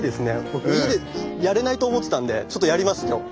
僕家でやれないと思ってたんでちょっとやります今日。